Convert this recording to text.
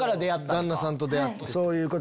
旦那さんと出会って。